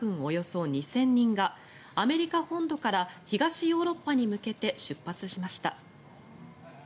およそ２０００人がアメリカ本土から東ヨーロッパに向けて出発しました。